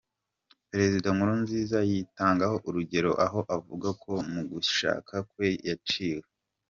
Perezida Nkurunziza yitangaho urugero aho avuga ko mu gushaka kwe, yaciwe.